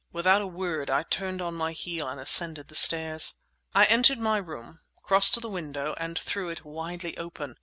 Without a word I turned on my heel and ascended the stairs. I entered my room, crossed to the window, and threw it widely open.